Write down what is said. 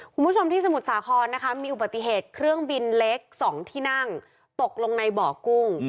คุณผู้ชมที่สมุทรสาครนะคะมีอุบัติเหตุเครื่องบินเล็ก๒ที่นั่งตกลงในบ่อกุ้ง